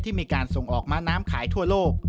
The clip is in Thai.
มีการส่งออกม้าน้ำขายทั่วโลก